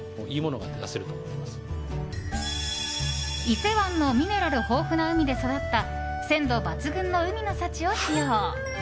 伊勢湾のミネラル豊富な海で育った、鮮度抜群の海の幸を使用。